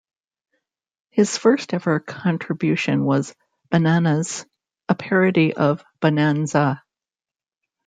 His first-ever contribution was "Bananaz," a parody of "Bonanza".